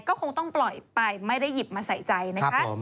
ก็คงต้องปล่อยไปไม่ได้หยิบมาใส่ใจนะคะ